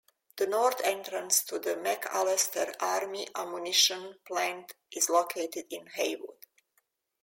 The north entrance to the McAlester Army Ammunition Plant is located in Haywood.